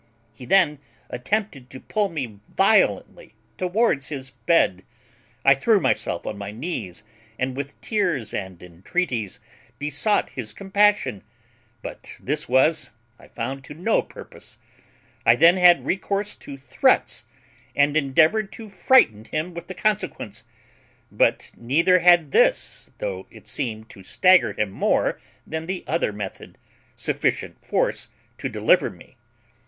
He then attempted to pull me violently towards his bed. I threw myself on my knees, and with tears and entreaties besought his compassion; but this was, I found, to no purpose: I then had recourse to threats, and endeavoured to frighten him with the consequence; but neither had this, though it seemed to stagger him more than the other method, sufficient force to deliver me.